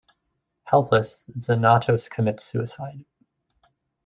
Helpless, Xanatos commits suicide.